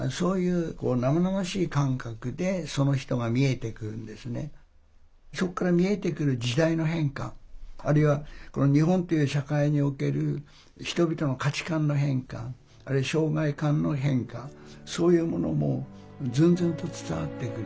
まあ言うならばそのそういうそこから見えてくる時代の変化あるいはこの日本という社会における人々の価値観の変化あるいは障害観の変化そういうものもずんずんと伝わってくる。